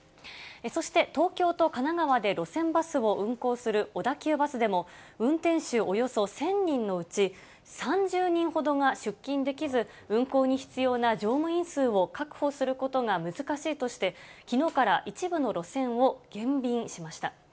そして、東京と神奈川で路線バスを運行する小田急バスでも、運転手およそ１０００人のうち、３０人ほどが出勤できず、運行に必要な乗務員数を確保することが難しいとして、きのうから一部の路線を減便しました。